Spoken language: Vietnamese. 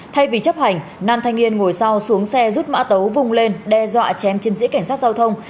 thay vì chấp hành nam thanh niên ngồi sau xuống xe rút mã tấu vùng lên đe dọa chém chiến sĩ cảnh sát giao thông